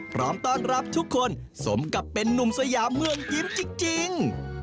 พร้อมต้อนรับทุกคนสมกับเป็นนุ่มสยามเมืองยิ้มจริง